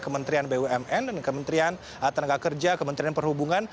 kementerian bumn dan kementerian tenaga kerja